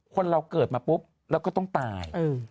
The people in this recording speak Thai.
คนเราเกิดมาปุ๊บเราก็ต้องตาย